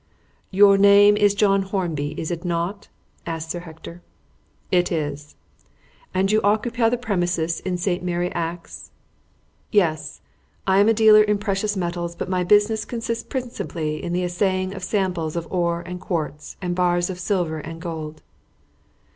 "Your name is John Hornby, is it not?" asked Sir Hector. "It is." "And you occupy premises in St. Mary Axe?" "Yes. I am a dealer in precious metals, but my business consists principally in the assaying of samples of ore and quartz and bars of silver and gold."